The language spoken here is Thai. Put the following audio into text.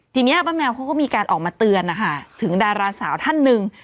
ทีนี้ป้าแมวเขาก็มีการออกมาเตือนนะคะถึงดาราสาวท่านหนึ่ง